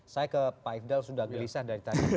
saya ke pak ifdal sudah gelisah dari tadi